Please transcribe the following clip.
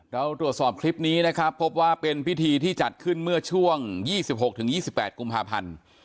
เราตรวจสอบคลิปนี้นะครับพบว่าเป็นพิธีที่จัดขึ้นเมื่อช่วง๒๖๒๘กุมภาพันธ์